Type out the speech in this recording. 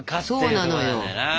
そうなのよ。